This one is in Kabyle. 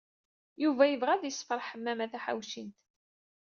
Yuba yebɣa ad yessefṛeḥ Ḥemmama Taḥawcint.